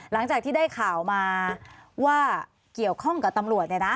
หลังจากที่ได้ข่าวมาว่าเกี่ยวข้องกับตำรวจ